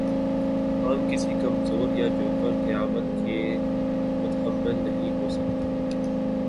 ہم کسی کمزور یا جوکر قیادت کے متحمل نہیں ہو سکتے۔